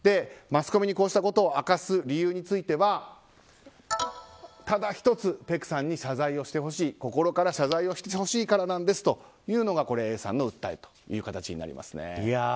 マスコミにこうしたことを明かす理由についてはただ１つ、ペクさんに謝罪をしてほしい心から謝罪をしてほしいからなんですというのがＡさんの訴えだという形になります。